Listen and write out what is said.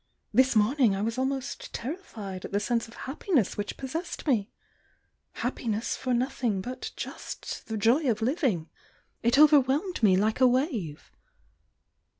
This morning I was almost terri fied at the sense of happiness which possessed me!— happiness for nothing but just the joy of living!— THE YOUNG DIANA 20T it overwhelmed me like a wave